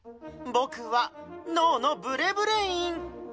ボクは脳のブレブレイン！